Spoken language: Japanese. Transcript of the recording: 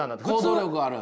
行動力ある。